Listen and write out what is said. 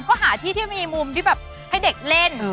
ก็หาที่ที่มีมุมที่แบบให้เด็กเล่น